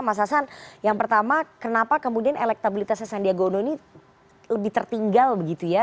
mas hasan yang pertama kenapa kemudian elektabilitasnya sandiaga uno ini lebih tertinggal begitu ya